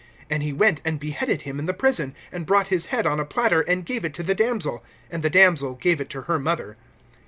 And he went and beheaded him in the prison, (28)and brought his head on a platter, and gave it to the damsel; and the damsel gave it to her mother.